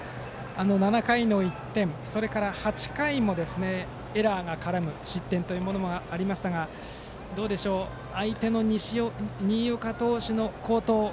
７回の１点それから８回にもエラーが絡む失点というものがありましたが相手の新岡投手の好投。